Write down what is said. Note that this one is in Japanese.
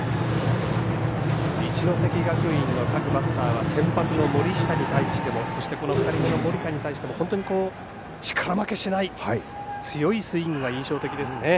一関学院の各バッターは先発の森下に対してもそして２人目の森田に対しても本当に力負けしない強いスイングが印象的ですね。